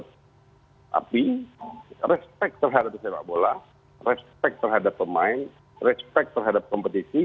tapi respect terhadap sepak bola respect terhadap pemain respect terhadap kompetisi